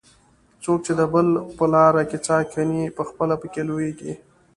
څوک چې د بل په لار کې څا کیني؛ پخپله په کې لوېږي.